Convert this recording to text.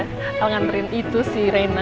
kalangan ren itu si rena